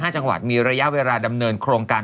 ๕จังหวัดมีระยะเวลาดำเนินโครงการ